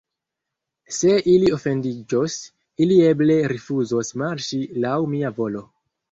Se ili ofendiĝos, ili eble rifuzos marŝi laŭ mia volo.